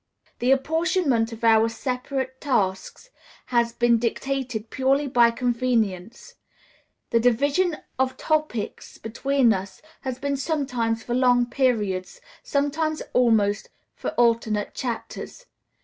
The apportionment of our separate tasks has been dictated purely by convenience; the division of topics between us has been sometimes for long periods, sometimes almost for alternate chapters.